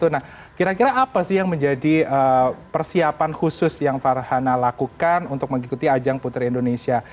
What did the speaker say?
nah kira kira apa sih yang menjadi persiapan khusus yang farhana lakukan untuk mengikuti ajang putri indonesia